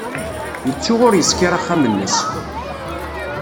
Yettu ur yeskiṛ axxam-nnes.